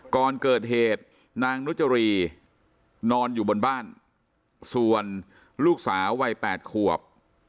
ก่อนเกิดเหตุนางนุจรีนอนอยู่บนบ้านส่วนลูกสาววัย๘ขวบ